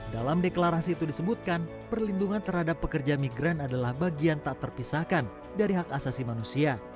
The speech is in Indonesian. dalam deklarasi itu disebutkan perlindungan terhadap pekerja migran adalah bagian tak terpisahkan dari hak asasi manusia